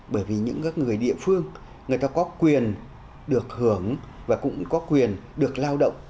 bởi vì những người địa phương người ta có quyền được hưởng và cũng có quyền được lao động